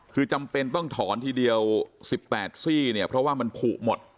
คือจำเป็นต้องถอนทีเดียว๑๘ซี่เนี่ยเพราะว่ามันผูกหมด